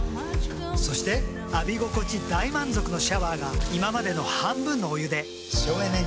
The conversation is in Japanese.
そして浴び心地大満足のシャワーが今までの半分のお湯で省エネに。